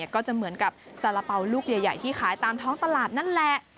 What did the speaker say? ก็จะเหมือนกับสาระเป๋าลูกใหญ่ที่ขายตามท้องตลาดนั่นแหละ